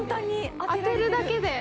当てるだけで。